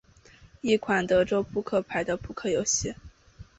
一款德州扑克版的扑克游戏。